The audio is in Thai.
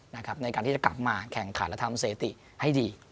ในการที่จะกลับมาแข่งขาลธรรมเศรษฐิให้ดี